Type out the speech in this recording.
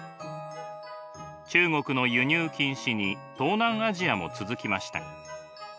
中国の輸入禁止に東南アジアも続きました。